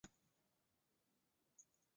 哭泣的流转的眼神